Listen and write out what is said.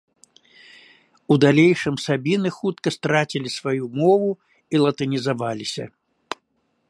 У далейшым сабіны хутка страцілі сваю мову і латынізаваліся.